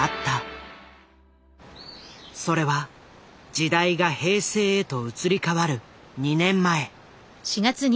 それは時代が平成へと移り変わる２年前。